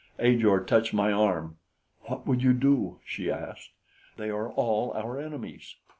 Ajor touched my arm. "What would you do?" she asked. "They are all our enemies."